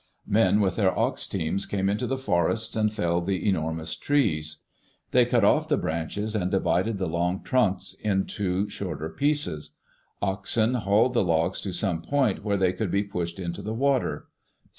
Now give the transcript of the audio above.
Men with their ox teams went into the forests and felled the enormous trees. They cut off the branches and divided the long trunk into shorter pieces. Oxen hauled the logs to some point where they could be pushed into the water.